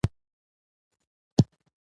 مستو ورته وویل: پسونه به خلاص شي.